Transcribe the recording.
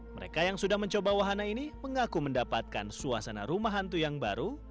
mereka yang sudah mencoba wahana ini mengaku mendapatkan suasana rumah hantu yang baru